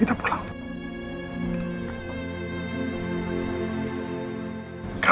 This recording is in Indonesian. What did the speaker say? kita pulang aja